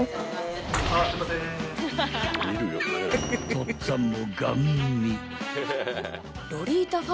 ［とっつぁんも］